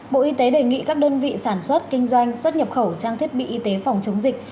bộ y tế đề nghị các đơn vị sản xuất kinh doanh xuất nhập khẩu trang thiết bị y tế phòng chống dịch